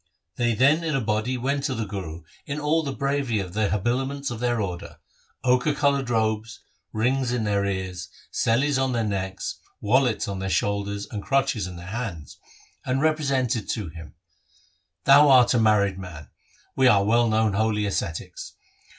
They then in a body 54 THE SIKH RELIGION went to the Guru in all the bravery of the habila ments of their order — ochre coloured robes, rings in their ears, selis on their necks, wallets on their shoulders, and crutches in their hands — and repre sented to him, ' Thou art a married man ; we are well known holy ascetics.